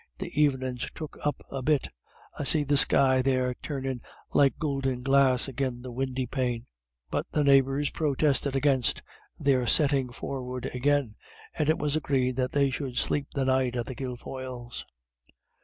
The evenin's took up a bit. I see the sky there turnin' like goulden glass agin the windy pane." But the neighbours protested against their setting forward again; and it was agreed that they should sleep the night at the Kilfoyles'.